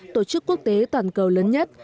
tổ chức quốc tế toàn cầu lớn nhất